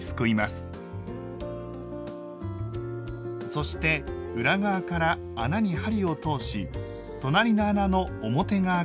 そして裏側から穴に針を通し隣の穴の表側から針を入れます。